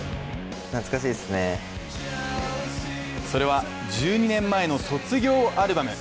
それは１２年前の卒業アルバム。